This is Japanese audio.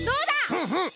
ふんふん！